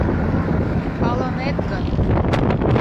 Палынет гын.